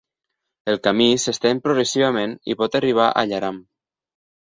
El camí s'estén progressivament i pot arribar a Yarram.